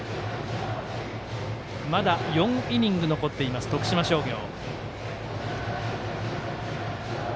まだ、４イニング残っています徳島商業。